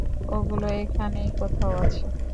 ওগুলো এখানেই কোথাও আছে।